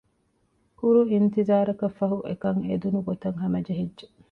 ކުރު އިންތިޒާރަކަށް ފަހު އެކަން އެދުނު ގޮތަށް ހަމަޖެހިއްޖެ